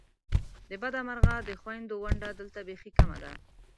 د بده مرغه د خوېندو ونډه دلته بیخې کمه ده !